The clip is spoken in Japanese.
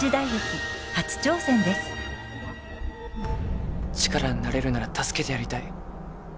今回が力になれるなら助けてやりたい。